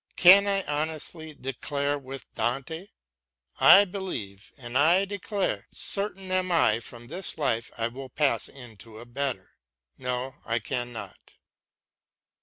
Can I honestly say with Dante, " I believe and I declare — certain am I from this life I pass into a better "? No, I cannot.